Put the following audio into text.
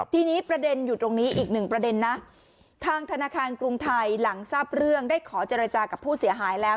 ที่นี้อยู่ตรงนี้ประเด็นอีกหนึ่งทางธนาคารกรุงไทยหลังทราบเรื่องได้ขอจริงกับผู้เสียหายแล้ว